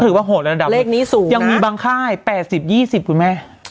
ถือว่าโหดในระดับตัวนี้สูงน่ะยังมีบางค่ายแปดสิบยี่สิบคุณแม่